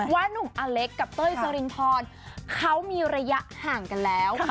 นุ่มอเล็กกับเต้ยจรินพรเขามีระยะห่างกันแล้ว